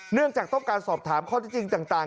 เนื่องจากต้องการสอบถามข้อที่จริงต่าง